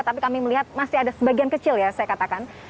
tapi kami melihat masih ada sebagian kecil ya saya katakan